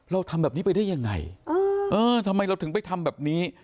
เราทำแบบนี้ไปได้ยังไงเออทำไมเราถึงไปทำแบบนี้